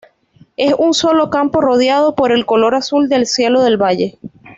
Es un solo campo rodeado por el color azul del cielo del valle.